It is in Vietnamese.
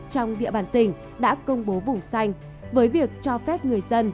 trong địa bàn tỉnh đã công bố vùng xanh với việc cho phép người dân